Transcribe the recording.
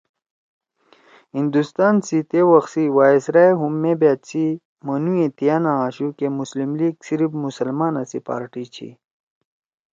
ہندوستان سی تے وَخ سی وائسرائے ہُم مے بأت سی منُوئے تِیا نہ آشُو کہ مسلم لیگ صرف مسلمانا سی پارٹی چھی